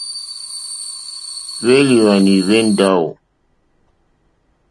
Hwélìhwwànì hwé ndáwò.